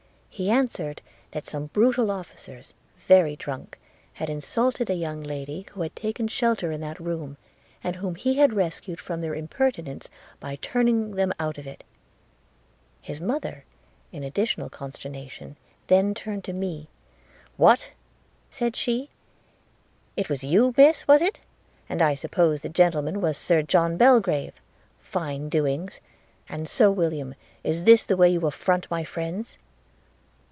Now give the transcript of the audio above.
He answered, that some brutal officers, very drunk, had insulted a young lady who had taken shelter in that room, and whom he had rescued from their impertinence by turning them out of it. His mother, in additional consternation, then turned to me, 'What!' said she, 'it was you, miss, was it? And I suppose the gentleman was Sir John Belgrave – Fine doings! And so, William, this is the way you affront my friends?'